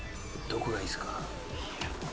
どこがいいっすか？